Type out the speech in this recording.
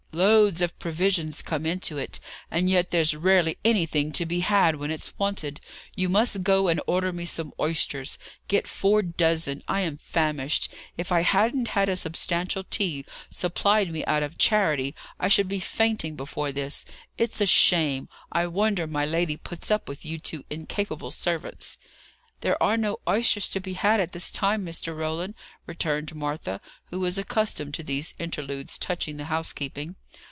Loads of provisions come into it, and yet there's rarely anything to be had when it's wanted. You must go and order me some oysters. Get four dozen. I am famished. If I hadn't had a substantial tea, supplied me out of charity, I should be fainting before this! It's a shame! I wonder my lady puts up with you two incapable servants." "There are no oysters to be had at this time, Mr. Roland," returned Martha, who was accustomed to these interludes touching the housekeeping.